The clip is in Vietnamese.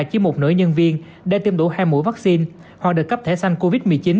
chỉ một nữ nhân viên để tiêm đủ hai mũi vaccine hoặc được cấp thẻ xanh covid một mươi chín